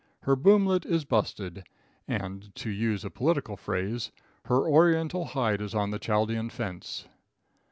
Her boomlet is busted, and, to use a political phrase, her oriental hide is on the Chaldean fence.